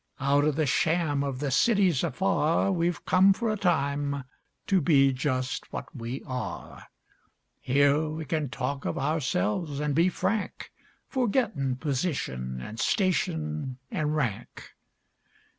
Out of the sham of the cities afar We've come for a time to be just what we are. Here we can talk of ourselves an' be frank, Forgettin' position an' station an' rank.